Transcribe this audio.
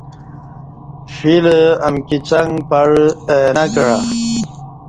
فیل امکی څݣ پعہ اہ انہ کعہ